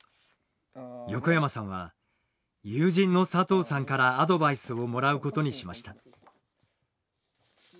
横山さんは友人の佐藤さんからアドバイスをもらうことにしました。